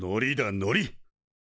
のり？